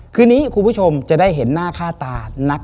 คืนนี้คุณผู้ชมจะได้เห็นหน้าค่าตานัก